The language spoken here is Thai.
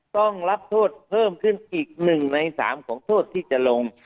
ต้องรับโทษเพิ่มขึ้นอีก๑ใน๓ของโทษที่จะลง